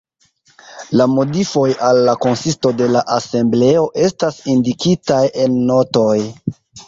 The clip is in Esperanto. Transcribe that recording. La modifoj al la konsisto de la Asembleo estas indikitaj en notoj.